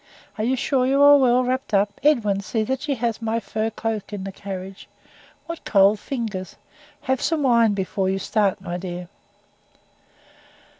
"Are you sure you are well wrapped up? Edwin, see that she has my fur cloak in the carriage. What cold fingers! Have some wine before you start, my dear."